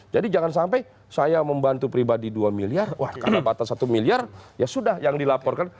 jadi jangan sampai saya membantu pribadi dua miliar wah karena batas satu miliar ya sudah yang dilaporkan